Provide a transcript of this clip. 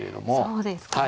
そうですか。